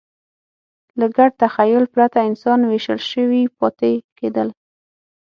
له ګډ تخیل پرته انسانان وېشل شوي پاتې کېدل.